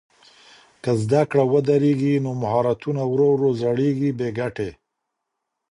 که زده کړه ودرېږي نو مهارتونه ورو ورو زړېږي بې ګټې.